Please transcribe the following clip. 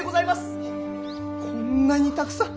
こんなにたくさん！